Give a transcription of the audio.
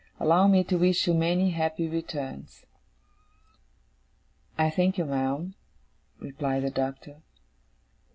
Allow me to wish you many happy returns.' 'I thank you, ma'am,' replied the Doctor.